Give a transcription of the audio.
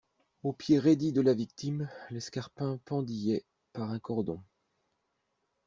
Au pied raidi de la victime, l'escarpin pendillait par un cordon.